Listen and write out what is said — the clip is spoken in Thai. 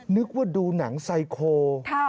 นึกว่าดูหนังไซโค